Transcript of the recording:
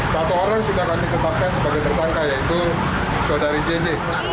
satu orang sudah kami tetapkan sebagai tersangka yaitu saudari jj